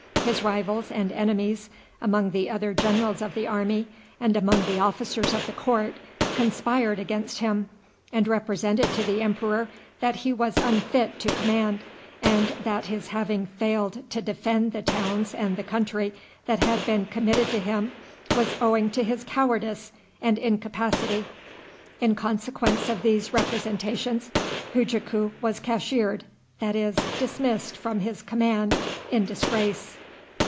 His rivals and enemies among the other generals of the army, and among the officers of the court, conspired against him, and represented to the emperor that he was unfit to command, and that his having failed to defend the towns and the country that had been committed to him was owing to his cowardice and incapacity. In consequence of these representations Hujaku was cashiered, that is, dismissed from his command in disgrace.